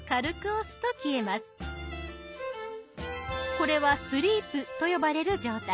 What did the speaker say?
これは「スリープ」と呼ばれる状態。